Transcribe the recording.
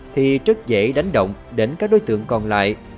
thì rất dễ đánh động đến các đối tượng còn lại